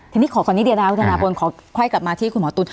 ทีนี้ขอค่อนข้างนี้เดี๋ยวนะคุณธนาปนขอค่อยกลับมาที่คุณหมอตุ้น